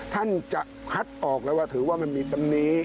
ท่านจะคัดออกแล้วว่าถือว่ามันมีตรงนี้